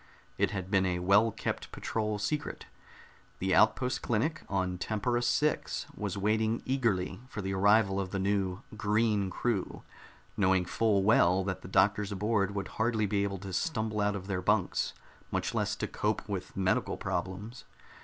It had been a well kept patrol secret; the outpost clinic on Tempera VI was waiting eagerly for the arrival of the new "green" crew, knowing full well that the doctors aboard would hardly be able to stumble out of their bunks, much less to cope with medical problems.